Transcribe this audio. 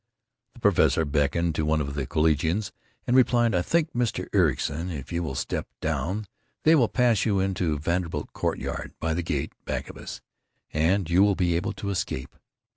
The professor beckoned to one of the collegians, and replied, "I think, Mr. Ericson, if you will step down they will pass you into Vanderbilt Courtyard—by the gate back of us—and you will be able to escape."